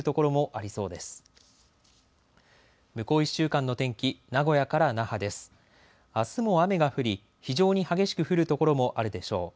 あすも雨が降り、非常に激しく降る所もあるでしょう。